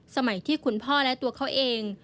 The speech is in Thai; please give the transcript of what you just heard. สมัยที่คุณพ่อและตัวเขาเอง